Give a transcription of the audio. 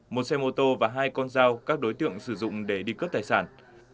một xe mô tô và hai con dao các đối tượng sử dụng để đi cướp tài sản